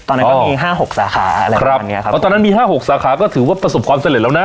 ตอนนั้นก็มีห้าหกสาขาอะไรครับเนี้ยครับเพราะตอนนั้นมีห้าหกสาขาก็ถือว่าประสบความสำเร็จแล้วนะ